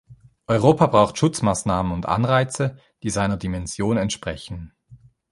Europa braucht Schutzmaßnahmen und Anreize, die seiner Dimension entsprechen.